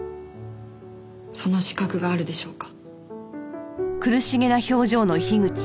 その資格があるでしょうか？